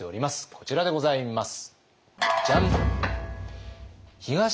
こちらでございます。